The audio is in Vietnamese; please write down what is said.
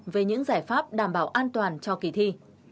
về những giải pháp đảm bảo an toàn cho kỳ thi